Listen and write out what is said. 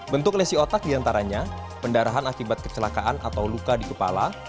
bentuk lesi otak diantaranya pendarahan akibat kecelakaan atau luka di kepala